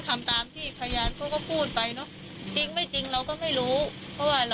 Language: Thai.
ทำงานต่อไปสมัยเป็นคำให้การ